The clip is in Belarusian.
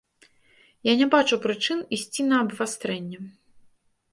Я не бачу прычын ісці на абвастрэнне.